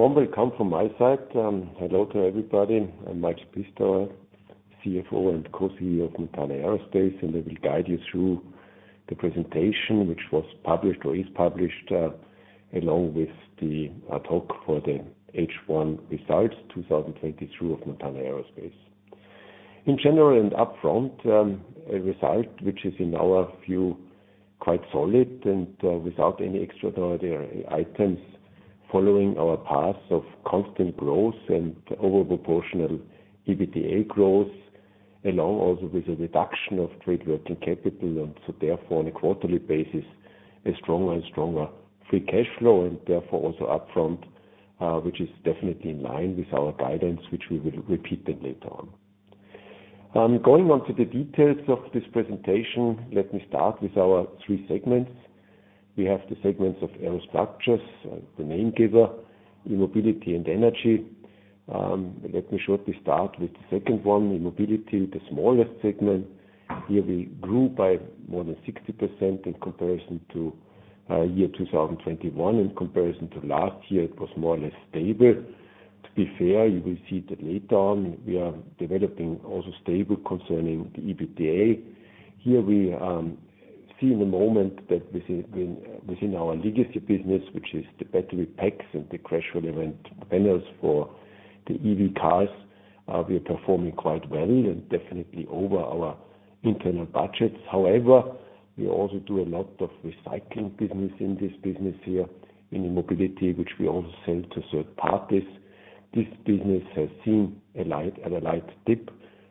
Welcome from my side. Hello to everybody. I'm Mike Pistauer, CFO and Co-CEO of Montana Aerospace, and I will guide you through the presentation, which was published or is published along with the talk for the H1 results, 2022 of Montana Aerospace. In general and upfront, a result which is in our view, quite solid and without any extraordinary items, following our path of constant growth and over proportional EBITDA growth, along also with a reduction of trade working capital, and so therefore, on a quarterly basis, a stronger and stronger free cash flow, and therefore also upfront, which is definitely in line with our guidance, which we will repeat then later on. Going on to the details of this presentation, let me start with our three segments. We have the segments of Aerostructures, the main giver, E-Mobility and Energy. Let me shortly start with the second one, E-Mobility, the smallest segment. Here, we grew by more than 60% in comparison to year 2021. In comparison to last year, it was more or less stable. To be fair, you will see that later on, we are developing also stable concerning the EBITDA. Here we see in the moment that within, within, within our legacy business, which is the battery packs and the crash relevant panels for the EV cars, we are performing quite well and definitely over our internal budgets. However, we also do a lot of recycling business in this business here in E-Mobility, which we also sell to third parties. This business has seen at a light dip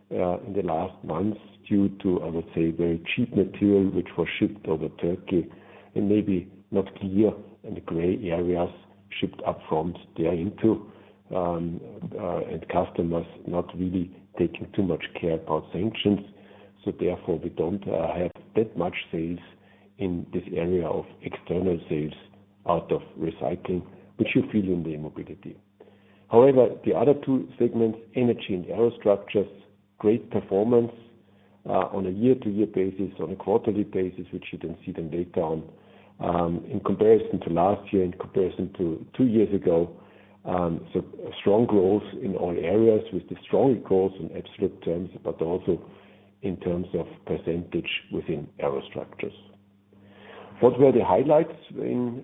in the last months due to, I would say, very cheap material, which was shipped over Turkey, and maybe not clear, and the gray areas shipped upfront there into, and customers not really taking too much care about sanctions. Therefore, we don't have that much sales in this area of external sales out of recycling, which you feel in the E-Mobility. However, the other two segments, Energy and Aerostructures, great performance on a year-to-year basis, on a quarterly basis, which you can see them later on. In comparison to last year, in comparison to two years ago, so strong growth in all areas with the strong growth in absolute terms, but also in terms of percentage within Aerostructures. What were the highlights in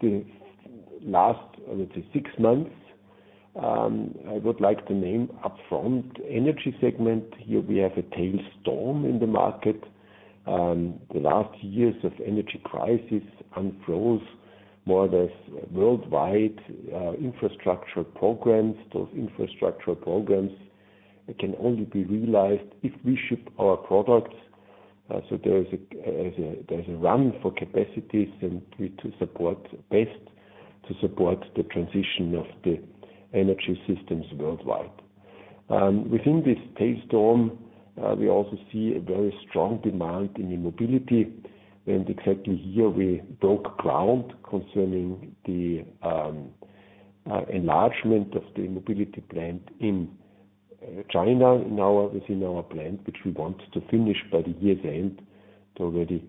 the last, I would say, six months? I would like to name upfront Energy segment. Here we have a tailstorm in the market. The last years of energy crisis and growth, more or less worldwide, infrastructure programs. Those infrastructure programs can only be realized if we ship our products, so there is a, there's a run for capacities and we to support best, to support the transition of the energy systems worldwide. Within this tailstorm, we also see a very strong demand in E-Mobility, and exactly here we broke ground concerning the enlargement of the E-Mobility plant in China, in our, within our plant, which we want to finish by the year's end to already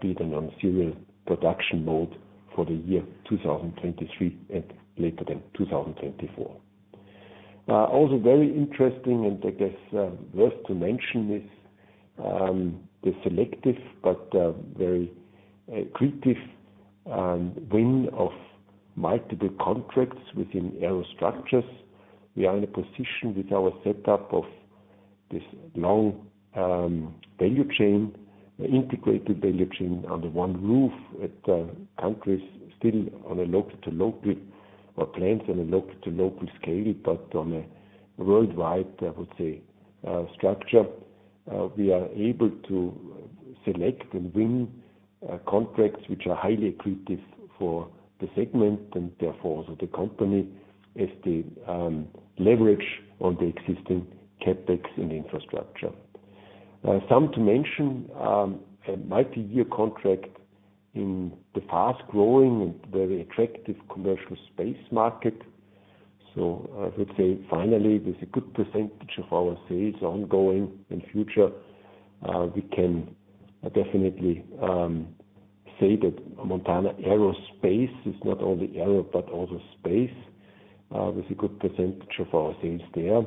be in a serial production mode for the year 2023, and later than 2024. Also very interesting, and I guess, worth to mention, is the selective but very creative win of multiple contracts within Aerostructures. We are in a position with our setup of this long value chain, integrated value chain under one roof, at countries still on a local to local, or plants on a local to local scale, but on a worldwide, I would say, structure. We are able to select and win contracts which are highly accretive for the segment, and therefore, also the company, as the leverage on the existing CapEx and infrastructure. Some to mention, a multi-year contract in the fast-growing and very attractive commercial space market. I would say finally, with a good percentage of our sales ongoing in future, we can definitely say that Montana Aerospace is not only aero, but also space, with a good percentage of our sales there.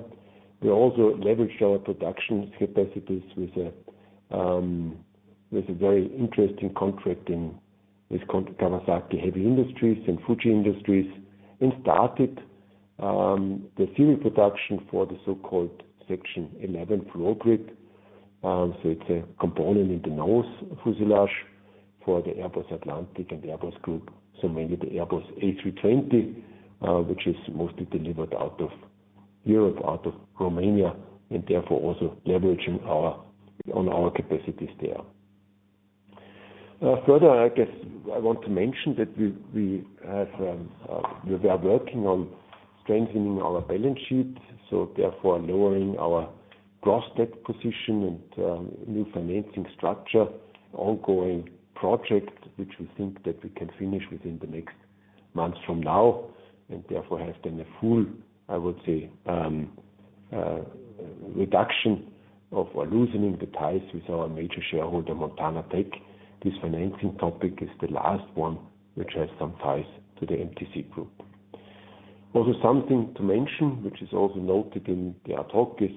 We also leveraged our production capacities with a very interesting contract with Kawasaki Heavy Industries and Fuji Industries, started the series production for the so-called section 11 floor grid. It's a component in the nose fuselage for the Airbus Atlantic and the Airbus SE, mainly the Airbus A320, which is mostly delivered out of Europe, out of Romania, therefore also leveraging on our capacities there. Further, I guess I want to mention that we, we have, we are working on strengthening our balance sheet, so therefore lowering our gross debt position and new financing structure, ongoing project, which we think that we can finish within the next months from now, and therefore, has been a full, I would say, reduction of or loosening the ties with our major shareholder, Montana Tech Components. This financing topic is the last one, which has some ties to the MTC group. Also, something to mention, which is also noted in the ad hoc, is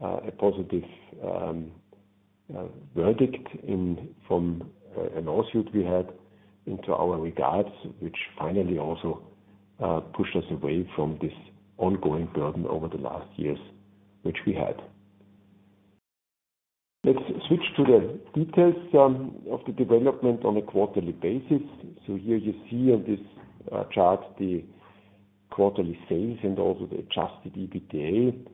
a positive verdict in, from, a lawsuit we had into our regards, which finally also pushed us away from this ongoing burden over the last years, which we had. Let's switch to the details of the development on a quarterly basis. Here you see on this chart, the quarterly sales and also the adjusted EBITDA.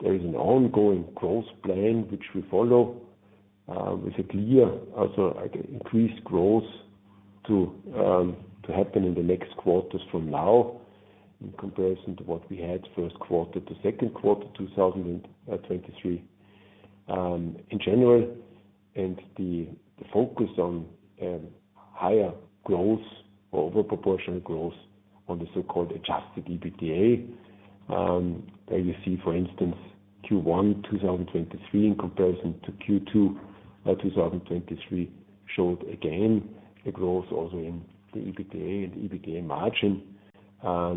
There is an ongoing growth plan, which we follow, with a clear, also, like, increased growth to happen in the next quarters from now, in comparison to what we had first quarter to second quarter, 2023. In general, and the focus on higher growth or overproportional growth on the so-called adjusted EBITDA. There you see, for instance, Q1 2023, in comparison to Q2 2023, showed, again, a growth also in the EBITDA and EBITDA margin. Our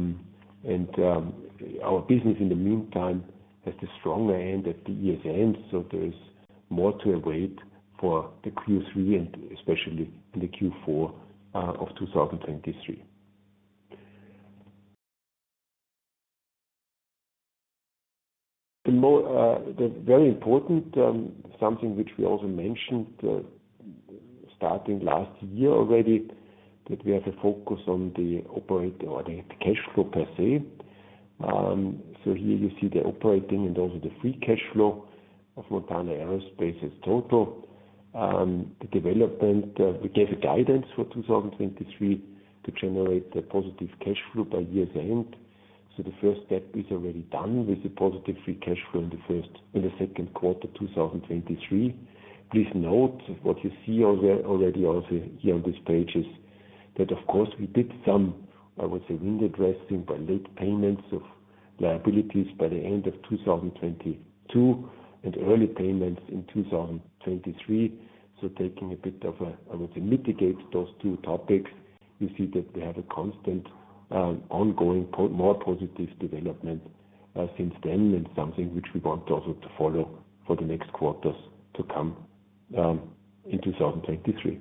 business in the meantime, has the stronger end at the year's end, so there is more to await for the Q3 and especially in the Q4 of 2023. The more, the very important, something which we also mentioned, starting last year already, that we have a focus on the operating or the cash flow per se. Here you see the operating and also the free cash flow of Montana Aerospace as total. The development, we gave a guidance for 2023 to generate a positive cash flow by year's end. The first step is already done with the positive free cash flow in the second quarter, 2023. Please note what you see already also here on this page, is that, of course, we did some, I would say, window dressing by late payments of liabilities by the end of 2022, and early payments in 2023. Taking a bit of a, I would say, mitigate those two topics, you see that we have a constant, ongoing, more positive development since then, and something which we want also to follow for the next quarters to come in 2023.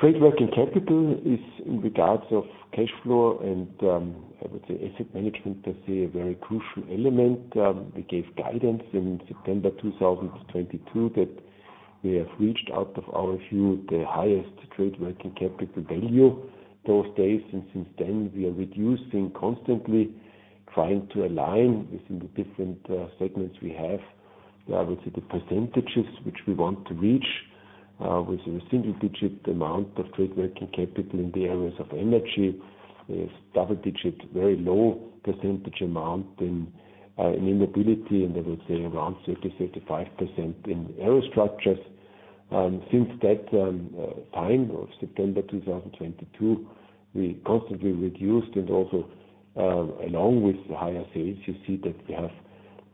Trade working capital is in regards of cash flow and, I would say, asset management, I see a very crucial element. We gave guidance in September 2022, that we have reached, out of our view, the highest trade working capital value those days. Since then, we are reducing, constantly trying to align within the different segments we have. I would say, the % which we want to reach, with a single-digit amount of trade working capital in the areas of Energy, is double-digit, very low % amount in mobility, and I would say around 50%, 35% in Aerostructures. Since that time of September 2022, we constantly reduced and also, along with the higher sales, you see that we have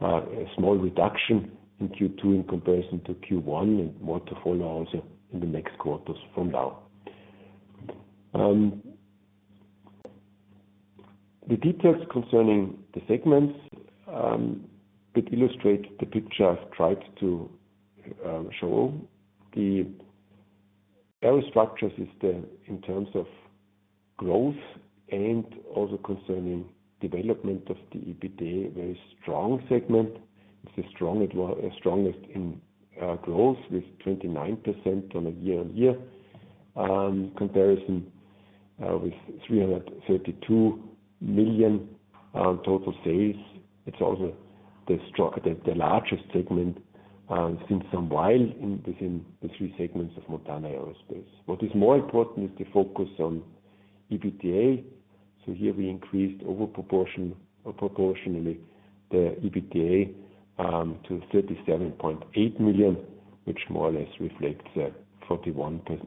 a small reduction in Q2 in comparison to Q1, and more to follow also in the next quarters from now. The details concerning the segments that illustrate the picture I've tried to show. The Aerostructures is the, in terms of growth and also concerning development of the EBITDA, a very strong segment. It's a strong, strongest in growth, with 29% on a year-on-year comparison, with $332 million total sales. It's also the largest segment since some while in, within the three segments of Montana Aerospace. What is more important is the focus on EBITDA. Here we increased proportionally the EBITDA to $37.8 million, which more or less reflects a 41.6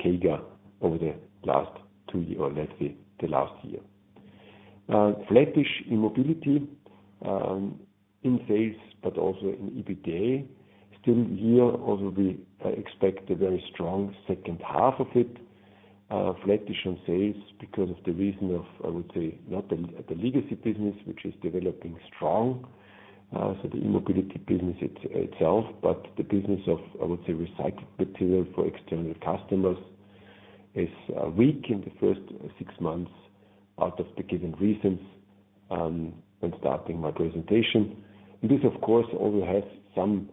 CAGR over the last 2 year, or let's say the last year. Flattish in mobility, in sales, but also in EBITDA. Still here, also, we expect a very strong second half of it. Flattish in sales, because of the reason of, I would say, not the legacy business, which is developing strong. The E-Mobility business itself, but the business of, I would say, recycled material for external customers, is weak in the first six months, out of the given reasons, when starting my presentation. This, of course, also has some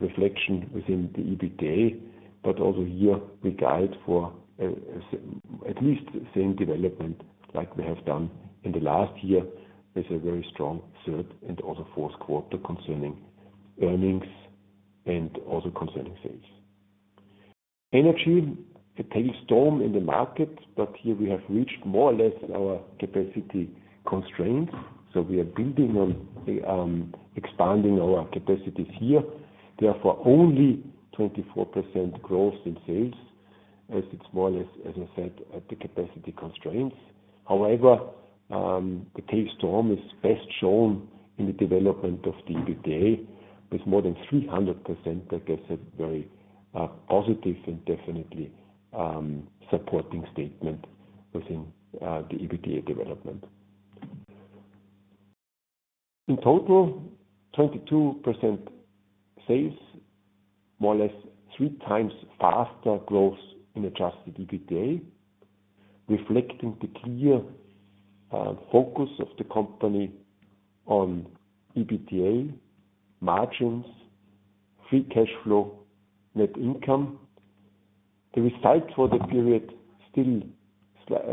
reflection within the EBITDA, but also here, we guide for at least the same development like we have done in the last year, with a very strong third and also fourth quarter, concerning earnings and also concerning sales. Energy, a tail storm in the market, but here we have reached more or less our capacity constraints, so we are building on expanding our capacities here. Only 24% growth in sales, as it's more or less, as I said, at the capacity constraints. However, the tail storm is best shown in the development of the EBITDA, with more than 300%. That is a very positive and definitely supporting statement within the EBITDA development. In total, 22% sales, more or less three times faster growth in adjusted EBITDA, reflecting the clear focus of the company on EBITDA margins, free cash flow, net income. The result for the period, still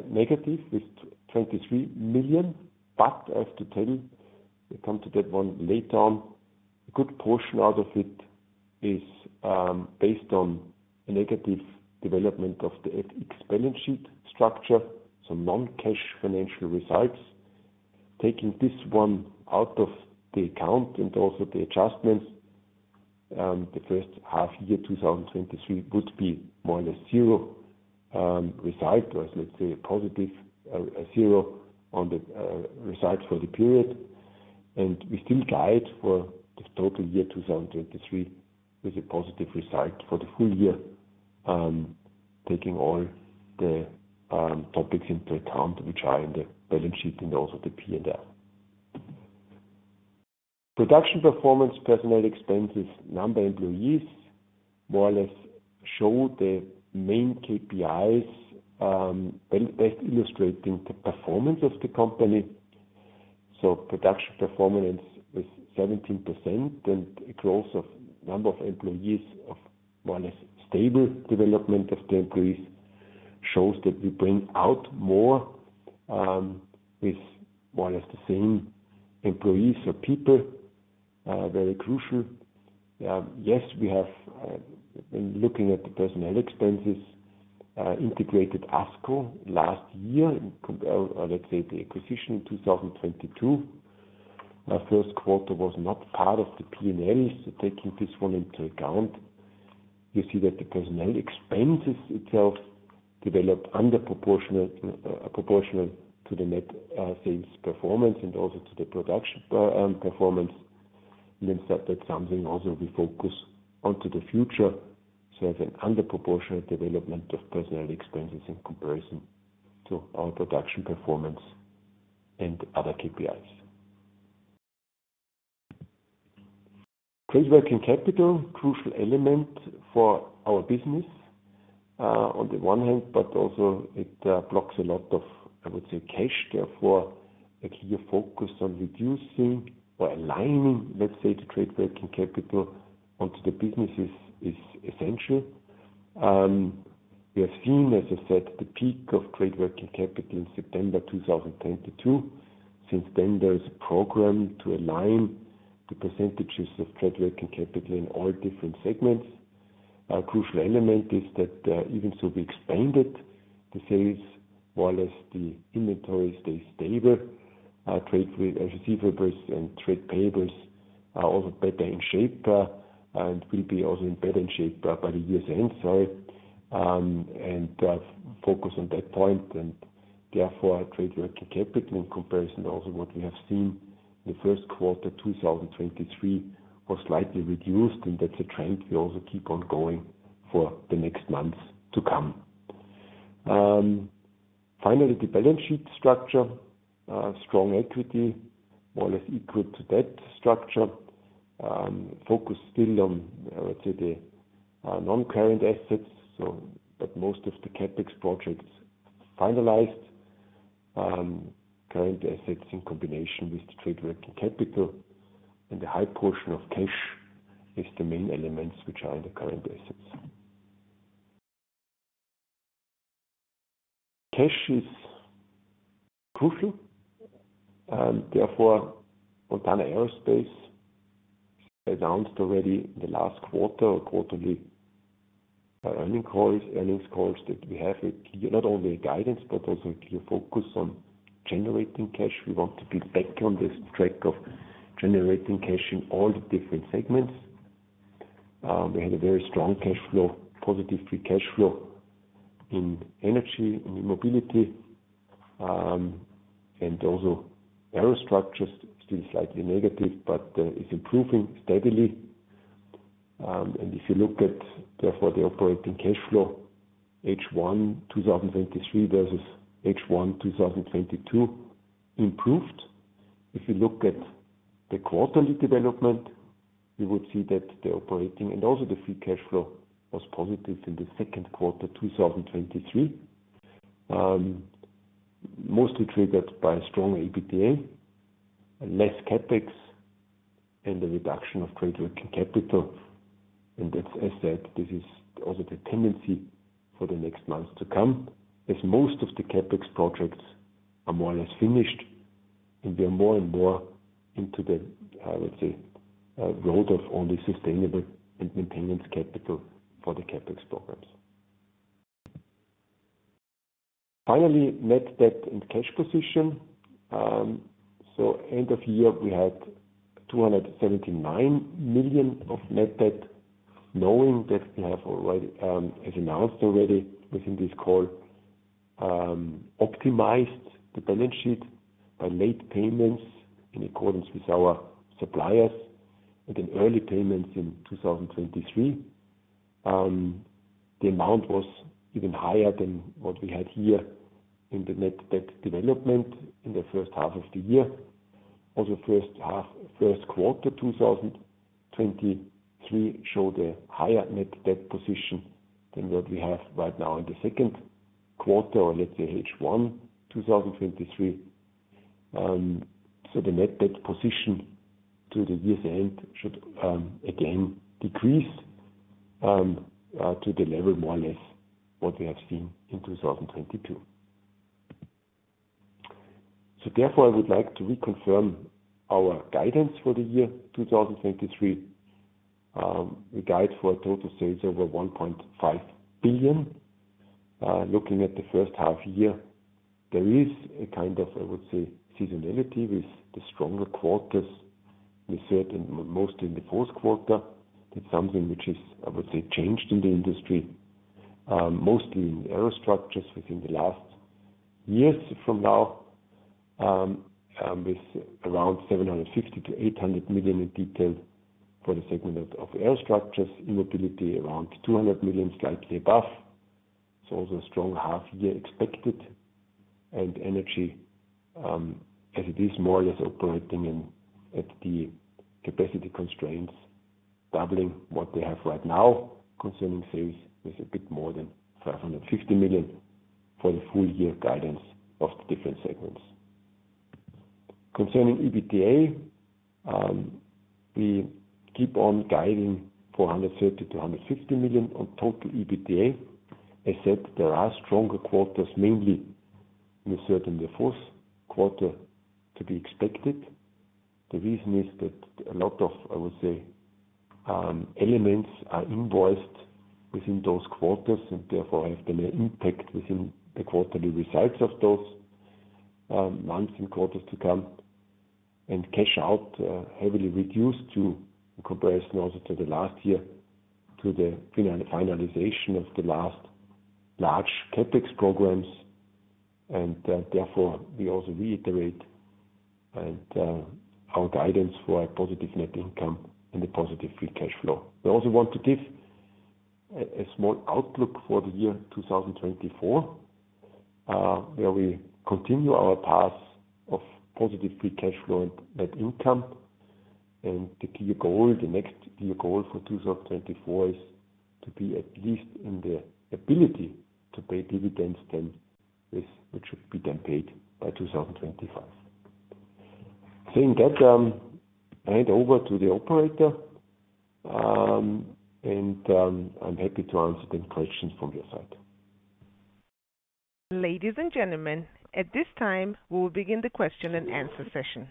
negative with 23 million, but as to tell, we come to that one later on. A good portion out of it is based on a negative development of the balance sheet structure, some non-cash financial results. Taking this one out of the account and also the adjustments, the first half year 2023 would be more or less zero result, or let's say, a positive zero on the result for the period. We still guide for the total year 2023 with a positive result for the full year, taking all the topics into account, which are in the balance sheet and also the P&L. Production performance, personnel expenses, number of employees, more or less show the main KPIs, and best illustrating the performance of the company. Production performance with 17% and a growth of number of employees of more or less stable development of the employees, shows that we bring out more with more or less the same employees or people, very crucial. Yes, we have been looking at the personnel expenses, integrated ASCO last year, or let's say the acquisition in 2022. Our first quarter was not part of the P&L. Taking this one into account, you see that the personnel expenses itself developed under proportionate, proportionate to the net sales performance and also to the production performance. Means that, that's something also we focus on to the future, so as an under proportionate development of personnel expenses in comparison to our production performance and other KPIs. Trade working capital, crucial element for our business, on the one hand, but also it blocks a lot of, I would say, cash. Therefore, a clear focus on reducing or aligning, let's say, the trade working capital onto the business is essential. We have seen, as I said, the peak of trade working capital in September 2022. Since then, there's a program to align the % of trade working capital in all different segments. Our crucial element is that, even so we expanded the sales, more or less, the inventory stay stable. Our trade with receivables and trade payables are also better in shape, and will be also in better shape, by the year's end, sorry, and focus on that point. Therefore, our trade working capital in comparison to also what we have seen in Q1 2023, was slightly reduced, and that's a trend we also keep on going for the next months to come. Finally, the balance sheet structure, strong equity, more or less equal to debt structure, focus still on, I would say, the non-current assets, but most of the CapEx projects finalized. Current assets in combination with the trade working capital and the high portion of cash is the main elements which are in the current assets. Cash is crucial, and therefore, Montana Aerospace announced already the last quarter or quarterly earning calls, earnings calls, that we have a clear, not only a guidance, but also a clear focus on generating cash. We want to be back on this track of generating cash in all the different segments. We had a very strong cash flow, positive free cash flow in Energy, in E-Mobility, and also Aerostructures, still slightly negative, but it's improving steadily. If you look at, therefore, the operating cash flow, H1 2023 versus H1 2022, improved. If you look at the quarterly development, you would see that the operating and also the free cash flow was positive in the second quarter 2023. Mostly triggered by strong EBITDA, less CapEx, and the reduction of trade working capital. That's, as said, this is also the tendency for the next months to come, as most of the CapEx projects are more or less finished, and we are more and more into the, I would say, road of only sustainable and maintenance capital for the CapEx programs. Finally, net debt and cash position. End of year, we had 279 million of net debt, knowing that we have already, as announced already within this call, optimized the balance sheet by late payments in accordance with our suppliers, and then early payments in 2023. The amount was even higher than what we had here in the net debt development in the first half of the year. Also, first half, first quarter, 2023 showed a higher net debt position than what we have right now in the second quarter, or let's say H1, 2023. The net debt position to the year end should again decrease to the level more or less what we have seen in 2022. Therefore, I would like to reconfirm our guidance for the year 2023. We guide for total sales over 1.5 billion. Looking at the first half year, there is a kind of, I would say, seasonality with the stronger quarters, we said, and mostly in the fourth quarter. That's something which is, I would say, changed in the industry, mostly in the Aerostructures within the last years from now, with around 750 million-800 million in detail for the segment of Aerostructures. In Mobility, around 200 million, slightly above. Also a strong half year expected. Energy, as it is more or less operating in, at the capacity constraints, doubling what we have right now, concerning sales with a bit more than 550 million for the full year guidance of the different segments. Concerning EBITDA, we keep on guiding 430 million to 150 million on total EBITDA. As said, there are stronger quarters, mainly in the third and the fourth quarter to be expected. The reason is that a lot of, I would say, elements are invoiced within those quarters, and therefore, have an impact within the quarterly results of those months and quarters to come. Cash out, heavily reduced to comparison also to the last year, to the final finalization of the last large CapEx programs. Therefore, we also reiterate and our guidance for a positive net income and a positive free cash flow. We also want to give a small outlook for the year 2024, where we continue our path of positive free cash flow and net income. The key goal, the next key goal for 2024, is to be at least in the ability to pay dividends then, which, which should be then paid by 2025. Saying that, hand over to the operator, and I'm happy to answer any questions from your side. Ladies and gentlemen, at this time, we will begin the question and answer session.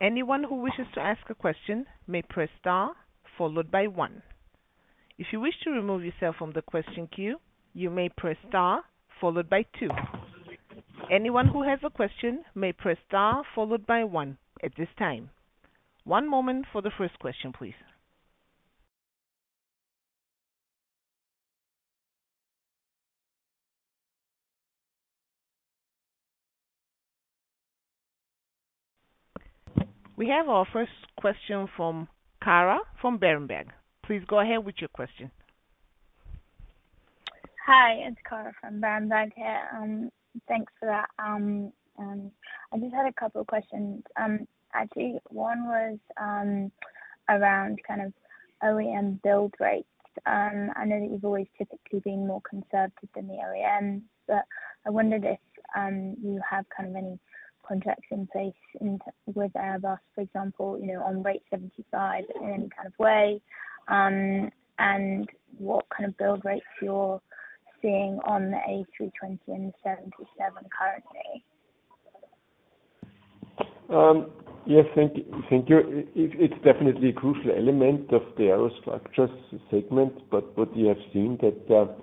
Anyone who wishes to ask a question may press star followed by one. If you wish to remove yourself from the question queue, you may press star followed by two. Anyone who has a question may press star followed by one at this time. One moment for the first question, please. We have our first question from Cara from Berenberg. Please go ahead with your question. Hi, it's Cara from Berenberg here. Thanks for that. I just had 2 questions. Actually, one was around kind of OEM build rates. I know that you've always typically been more conservative than the OEMs, but I wondered if you have kind of any contracts in place with Airbus, for example, you know, on rate 75 in any kind of way, and what kind of build rates you're seeing on the A320 and 75 currently? Yes, thank you. Thank you. It, it's definitely a crucial element of the Aerostructures segment, but what we have seen that,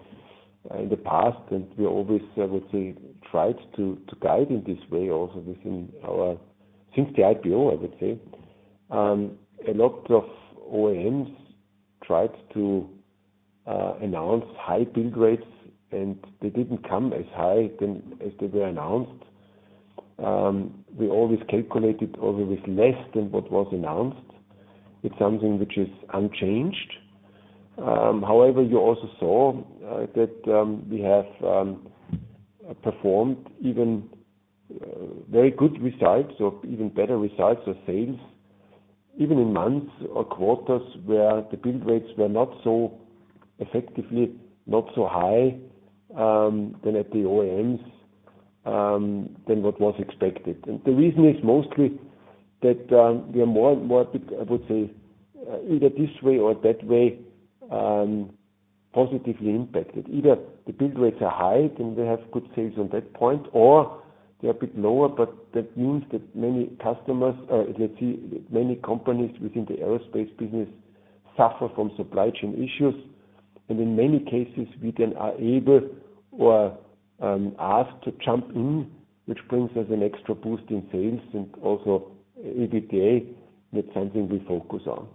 in the past, and we always, I would say, tried to, to guide in this way also within our... Since the IPO, I would say, a lot of OEMs tried to announce high build rates, and they didn't come as high than as they were announced. We always calculated always with less than what was announced. It's something which is unchanged. However, you also saw that, we have performed even very good results or even better results or sales, even in months or quarters where the build rates were not so effectively, not so high, than at the OEMs, than what was expected. The reason is mostly that we are more and more, I would say, either this way or that way, positively impacted. Either the build rates are high, then we have good sales on that point, or they're a bit lower, but that means that many customers, let's see, many companies within the aerospace business, suffer from supply chain issues, and in many cases, we then are able or asked to jump in, which brings us an extra boost in sales and also EBITDA. That's something we focus on.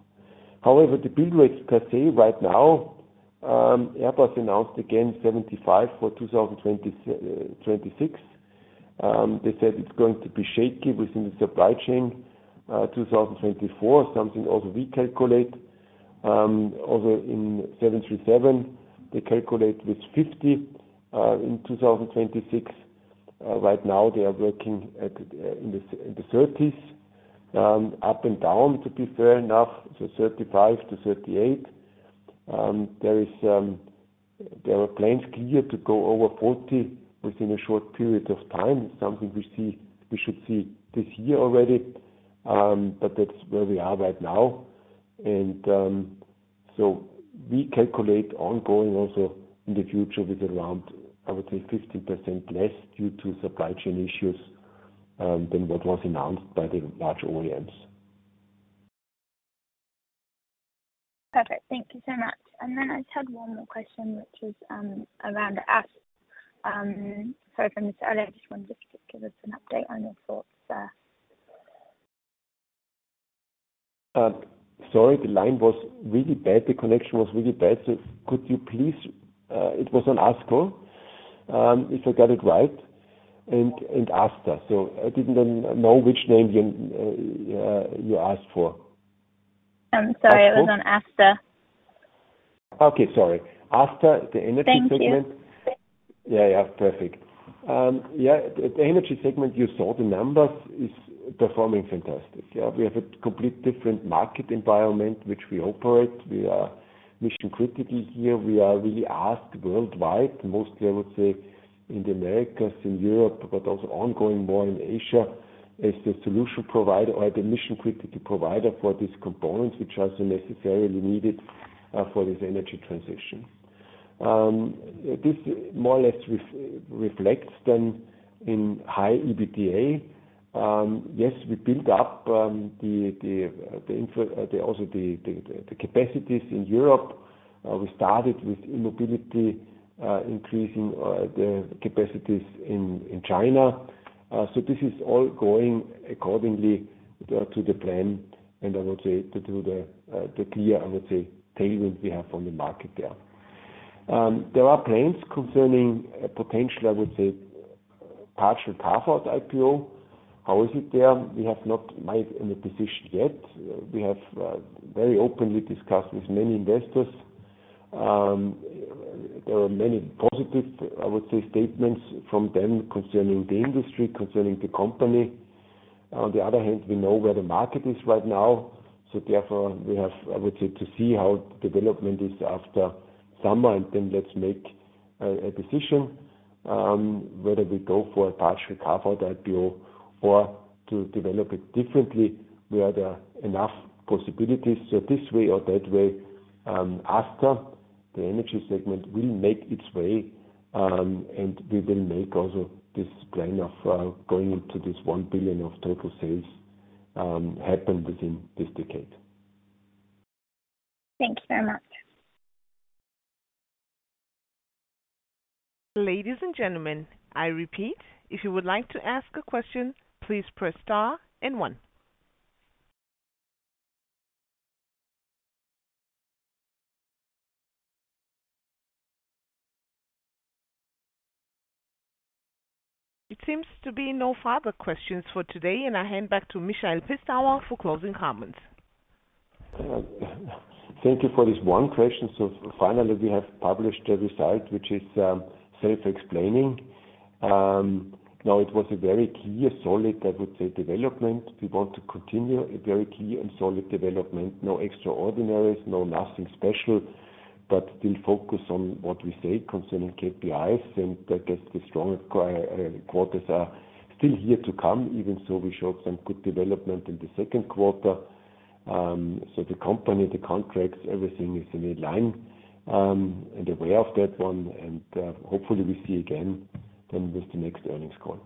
However, the build rates per se right now, Airbus announced again 75 for 2026. They said it's going to be shaky within the supply chain, 2024, something also we calculate. Although in Boeing 737, they calculate with 50 in 2026. Right now they are working at, in the 30s, up and down, to be fair enough, so 35 to 38. There is, there are plans clear to go over 40 within a short period of time. Something we see, we should see this year already, but that's where we are right now. So we calculate ongoing also in the future with around, I would say, 50% less due to supply chain issues, than what was announced by the large OEMs. Perfect. Thank you so much. Then I just had one more question, which is, around ASTA. Sorry from this earlier, I just wondered if you could give us an update on your thoughts there. Sorry, the line was really bad. The connection was really bad, could you please? It was on ASCO, if I got it right, and ASTA. I didn't know which name you asked for. I'm sorry, it was on ASTA. Okay, sorry. ASTA, the Energy segment? Thank you. Yeah, yeah. Perfect. Yeah, the Energy segment, you saw the numbers, is performing fantastic. Yeah, we have a complete different market environment, which we operate. We are mission critically here. We are really asked worldwide, mostly, I would say, in the Americas, in Europe, but also ongoing more in Asia, as the solution provider or the mission-critical provider for these components, which are so necessarily needed for this energy transition. This more or less reflects then in high EBITDA. Yes, we build up the infra also the capacities in Europe. We started with E-Mobility increasing the capacities in China. This is all going accordingly to the plan, and I would say to the clear, I would say, tailwind we have on the market there. There are plans concerning a potential, I would say, partial path out IPO. How is it there? We have not made any decision yet. We have very openly discussed with many investors. There are many positive, I would say, statements from them concerning the industry, concerning the company. On the other hand, we know where the market is right now, therefore we have, I would say, to see how development is after summer, and then let's make a decision whether we go for a partial carve out IPO or to develop it differently, where there are enough possibilities. This way or that way, after, the Energy segment will make its way, and we will make also this plan of going into this $1 billion of total sales happen within this decade. Thank you very much. Ladies and gentlemen, I repeat, if you would like to ask a question, please press star and 1. It seems to be no further questions for today, and I hand back to Michael Pistauer for closing comments. Thank you for this one question. Finally, we have published a result which is self-explaining. Now, it was a very clear, solid, I would say, development. We want to continue a very clear and solid development. No extraordinaries, no nothing special, but we'll focus on what we say concerning KPIs, and I guess the stronger quarters are still here to come. Even so, we showed some good development in the second quarter. The company, the contracts, everything is in line, and aware of that one, and hopefully we see you again, then with the next earnings call.